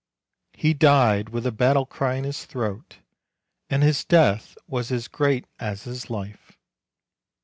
He died with the battle cry in his throat, and his death was as great as his life.